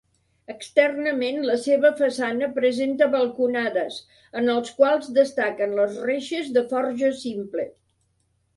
Externament la seva façana presenta balconades en els quals destaquen les reixes de forja simple.